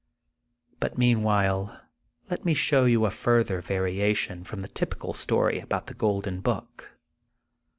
But meanwhile let me show you a further variation from the typical story about The Golden Book.